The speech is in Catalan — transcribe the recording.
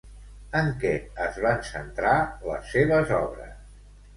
En què es van centrar les seves obres?